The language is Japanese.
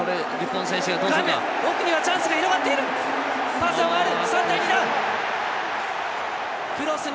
パスが回る！